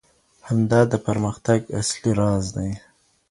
همدا د پرمختګ اصلي راز دی.